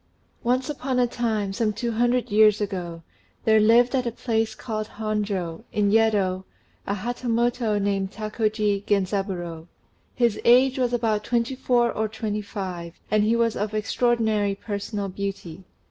Once upon a time, some two hundred years ago, there lived at a place called Honjô, in Yedo, a Hatamoto named Takoji Genzaburô; his age was about twenty four or twenty five, and he was of extraordinary personal beauty.